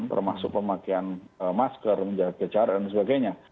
termasuk pemakaian masker menjaga jarak dan sebagainya